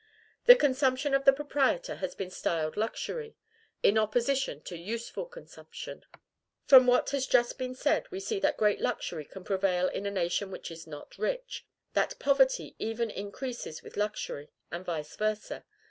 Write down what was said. The consumption of the proprietor has been styled luxury, in opposition to USEFUL consumption. From what has just been said, we see that great luxury can prevail in a nation which is not rich, that poverty even increases with luxury, and vice versa.